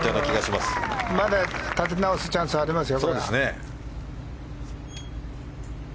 まだ立て直すチャンスはありますよ。